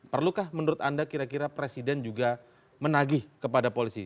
perlukah menurut anda kira kira presiden juga menagih kepada polisi